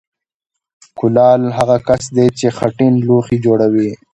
کولال هغه کس دی چې خټین لوښي جوړوي